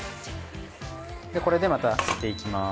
でこれでまた吸っていきます。